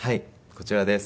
こちらです。